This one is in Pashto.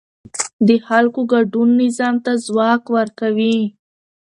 د خلکو ګډون نظام ته ځواک ورکوي